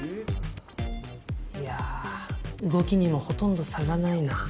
いや動きにもほとんど差がないな。